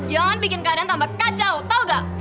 jangan bikin keadaan tambah kacau tau gak